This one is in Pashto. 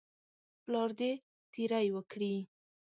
پلار دې تیری وکړي.